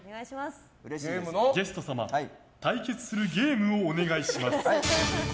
ゲスト様、対決するゲームをお願いします。